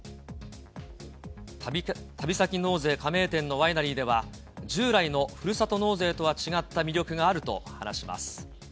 旅先納税加盟店のワイナリーでは、従来のふるさと納税とは違った魅力があると話します。